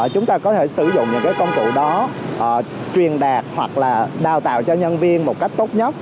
chúng ta có thể sử dụng những công cụ đó truyền đạt hoặc là đào tạo cho nhân viên một cách tốt nhất